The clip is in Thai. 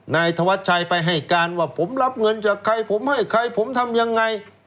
นายธวัชชัยไปให้การว่าผมรับเงินจากใครผมให้ใครผมทำยังไง